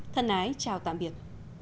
thân ái chào tạm biệt